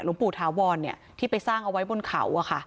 หลวงปู่ถาวรเนี่ยที่ไปสร้างเอาไว้บนเขาอ่ะค่ะ